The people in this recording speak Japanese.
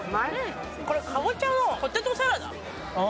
これ、かぼちゃのポテトサラダ。